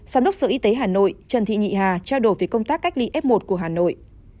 giám đốc sở y tế hà nội trần thị nhị hà trao đổi về công tác cách ly f một của hà nội